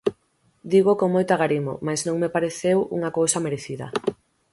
Dígoo con moito agarimo, mais non me pareceu unha cousa merecida.